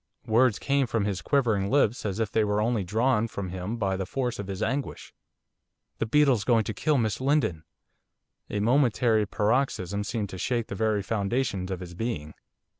Words came from his quivering lips as if they were only drawn from him by the force of his anguish. 'The beetle's going to kill Miss Lindon.' A momentary paroxysm seemed to shake the very foundations of his being.